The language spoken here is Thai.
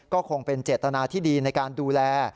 ก็คงเป็นเจตนาที่ดีในการดูแล